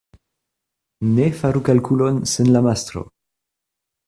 Ne faru kalkulon sen la mastro.